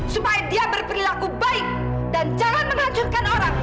supaya dia berperilaku baik dan jangan menghancurkan orang